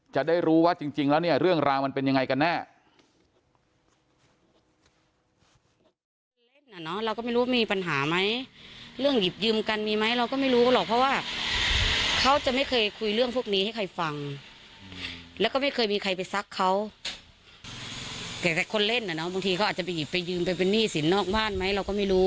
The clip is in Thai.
จะได้รู้ว่าจริงแล้วเนี่ยเรื่องราวมันเป็นยังไงกันแน่